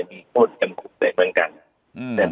มีโทษเย็มขุมใจเหมือนกันอืม